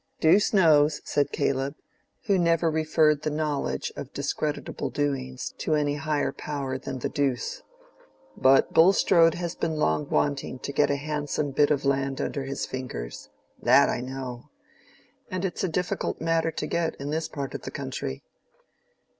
"Deuce knows," said Caleb, who never referred the knowledge of discreditable doings to any higher power than the deuce. "But Bulstrode has long been wanting to get a handsome bit of land under his fingers—that I know. And it's a difficult matter to get, in this part of the country."